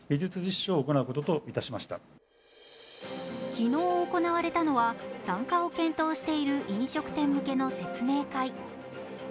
昨日行われたのは参加を検討している飲食店向けの説明会。